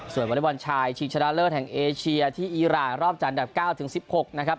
ส่วนวอเล็กบอลชายชิงชนะเลิศแห่งเอเชียที่อีรานรอบจันทร์อันดับ๙ถึง๑๖นะครับ